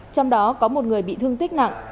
trong đó có một người bị thương tích nặng